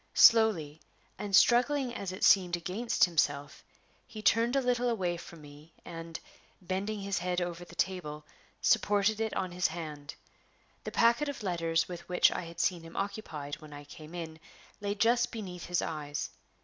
Slowly, and struggling as it seemed against himself, he turned a little away from me, and, bending his head over the table, supported it on his hand. The packet of letters with which I had seen him occupied when I came in lay just beneath his eyes.